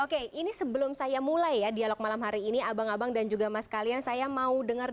oke ini sebelum saya mulai ya dialog malam hari ini abang abang dan juga mas kalian saya mau dengar